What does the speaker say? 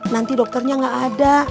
nanti dokternya gak ada